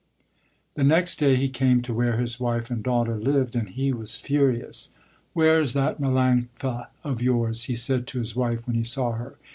The next day he came to where his wife and daughter lived and he was furious. "Where's that Melanctha, of yours?" he said to his wife, when he saw her.